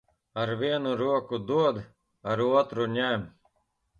Ar vienu roku dod, ar otru ņem.